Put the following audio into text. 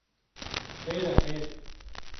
Xêr e, xêr.